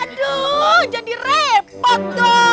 aduh jadi repot dong